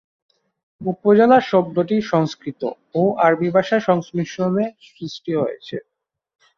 উপজেলা শব্দটি সংস্কৃত ও আরবি ভাষার সংমিশ্রণে সৃষ্টি হয়েছে।